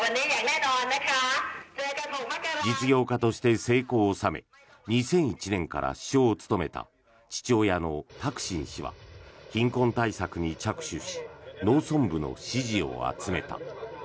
実業家として成功を収め２００１年から首相を務めた父親のタクシン氏は貧困対策に着手し農村部の支持を集めた。